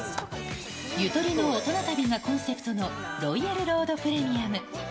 ゆとりの大人旅がコンセプトのロイヤルロードプレミアム。